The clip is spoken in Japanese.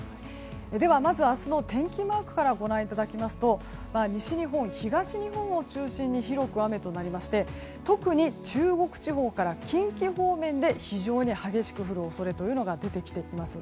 では、まず明日の天気マークからご覧いただきますと西日本、東日本を中心に広く雨となりまして特に中国地方から近畿方面で非常に激しく降る恐れが出てきています。